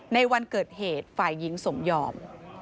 ในวันเกิดเหตุฝ่ายหญิงสมยอม